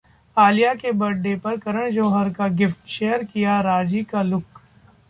आलिया के बर्थडे पर करण जौहर का गिफ्ट, शेयर किया 'राजी' का लुक